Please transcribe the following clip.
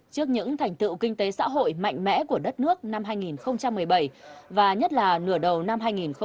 trước những thành tựu kinh tế xã hội mạnh mẽ của đất nước năm hai nghìn một mươi bảy và nhất là nửa đầu năm hai nghìn một mươi tám